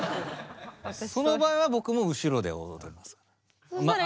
その場合は僕も後ろで踊ります。